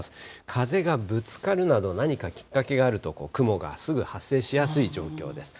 風がぶつかるなど、何かきっかけがあると、雲がすぐ発生しやすい状況です。